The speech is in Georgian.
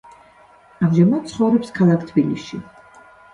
ამჟამად ცხოვრობს ქალაქ თბილისში.